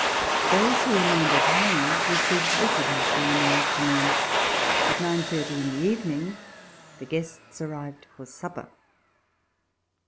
Those who remained at home received visitors during the afternoon. At nine thirty in the evening the guests arrived for supper.